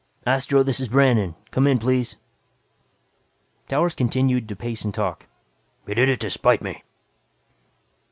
"Astro, this is Brandon. Come in please." Towers continued to pace and talk. "He did it to spite me."